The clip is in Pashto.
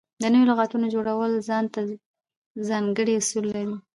د نوو لغاتونو جوړول ځان ته ځانګړي اصول لري.